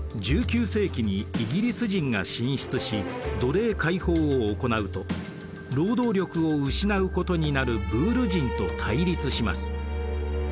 １９世紀にイギリス人が進出し奴隷解放を行うと労働力を失うことになるブール人と対立します。